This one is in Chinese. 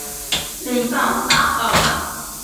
临港大道站